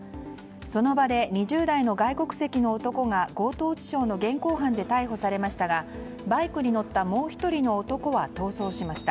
その場で２０代の外国籍の男が強盗致傷の現行犯で逮捕されましたがバイクに乗ったもう１人の男は逃走しました。